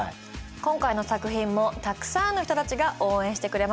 今回の作品もたくさんの人たちが応援してくれました。